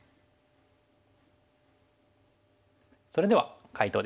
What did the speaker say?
それでは解答です。